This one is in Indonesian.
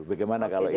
bagaimana kalau ini